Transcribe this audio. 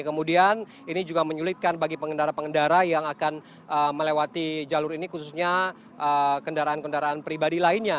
kemudian ini juga menyulitkan bagi pengendara pengendara yang akan melewati jalur ini khususnya kendaraan kendaraan pribadi lainnya